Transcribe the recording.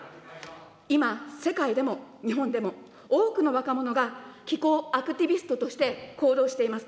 今、世界でも日本でも、多くの若者が気候アクティビストとして行動しています。